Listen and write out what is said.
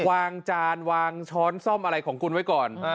จานวางช้อนซ่อมอะไรของคุณไว้ก่อน